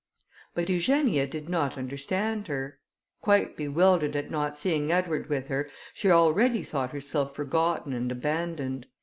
But Eugenia did not understand her. Quite bewildered at not seeing Edward with her, she already thought herself forgotten and abandoned.